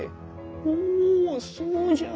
おそうじゃ。